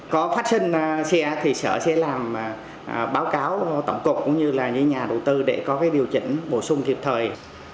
có phát sinh xe thì sở sẽ làm báo cáo tổng cục cũng như nhà đầu tư để có điều chỉnh bổ sung kịp thời